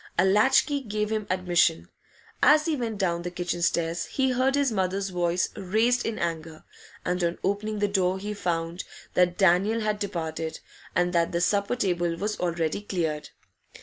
A latch key gave him admission. As he went down the kitchen stairs, he heard his mother's voice raised in anger, and on opening the door he found that Daniel had departed, and that the supper table was already cleared.